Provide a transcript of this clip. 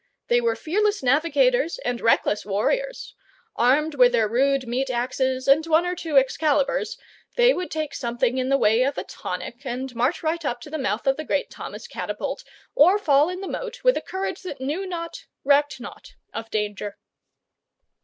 They were fearless navigators and reckless warriors. Armed with their rude meat axes and one or two Excalibars, they would take something in the way of a tonic and march right up to the mouth of the great Thomas catapult, or fall in the moat with a courage that knew not, recked not of danger.